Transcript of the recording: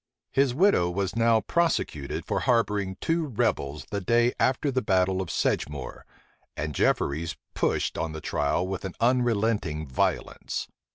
His widow was now prosecuted for harboring two rebels the day after the battle of Sedgemoor; and Jefferies pushed on the trial with an unrelenting violence.